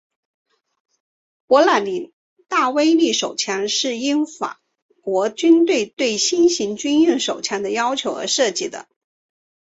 勃朗宁大威力手枪是应法国军队对新型军用手枪的要求而设计的。